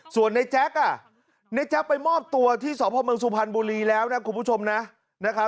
ส่วนในแจ๊กในแจ๊กไปมอบตัวที่สพมสุพันธ์บุรีแล้วนะคุณผู้ชมนะ